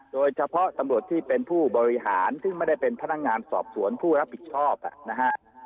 โดยเฉพาะตำรวจที่เป็นผู้บริหารซึ่งไม่ได้เป็นพนักงานสอบสวนผู้รับผิดชอบนะฮะ